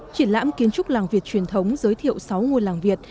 triển lãm kiến trúc làng việt truyền thống giới thiệu sáu ngôi làng việt